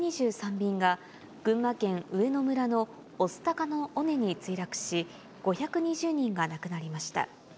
便が、群馬県上野村の御巣鷹の尾根に墜落し、５２０人が亡くなりました。